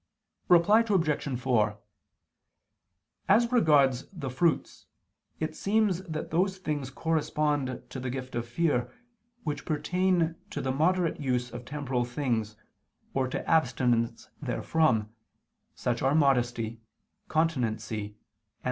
Reply Obj. 4: As regards the fruits, it seems that those things correspond to the gift of fear, which pertain to the moderate use of temporal things or to abstinence therefrom; such are modesty, continency and chastity.